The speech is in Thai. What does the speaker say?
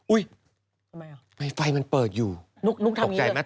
อุ๊ยไฟมันเปิดอยู่ตกใจไหมตกใจไหม